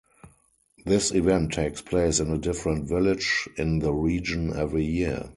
This event takes place in a different village in the region every year.